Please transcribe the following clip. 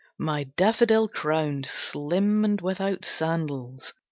My daffodil crowned, Slim and without sandals!